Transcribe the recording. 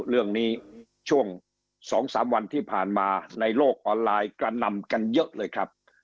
เรื่องนี้ช่วง๒๓วันที่ผ่านมาในโลกออนไลน์กระนำกันเยอะเลยครับ